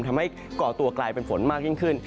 ทำให้กรอก่อนตัวกลายเป็นฝนมากยิ่งขึ้น